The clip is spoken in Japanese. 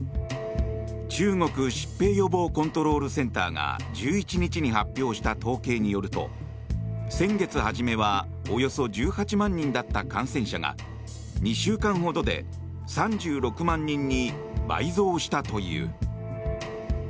中国疾病予防コントロールセンターが１１日に発表した統計によると先月初めはおよそ１８万人だった感染者が２週間ほどで３６万人に倍増したという。